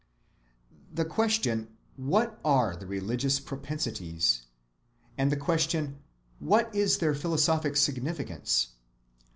The question, What are the religious propensities? and the question, What is their philosophic significance?